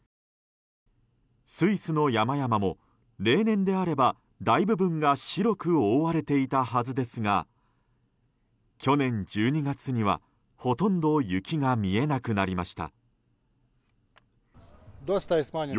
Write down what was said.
スイスの山々も例年であれば大部分が白く覆われていたはずですが去年１２月には、ほとんど雪が見えなくなりました。